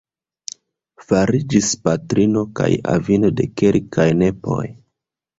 Fariĝis patrino kaj avino de kelkaj nepoj.